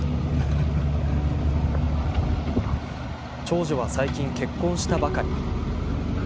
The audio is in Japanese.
長女は最近、結婚したばかり。